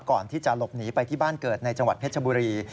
ก่อนที่จะหลบหนีไปที่บ้านเกิดในจังหวัดเพชรบุรี